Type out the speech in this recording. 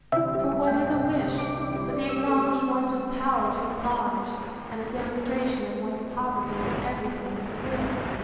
—For what is a wish, but the acknowledged want of power to oblige, and a demonstration of one's poverty in every thing but will?